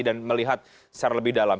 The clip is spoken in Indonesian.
dan melihat secara lebih dalam